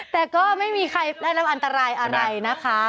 แต่ก็ไม่มีใครได้รับอันตรายอะไรนะคะ